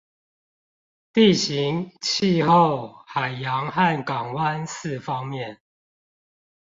地形、氣候、海洋和港灣四方面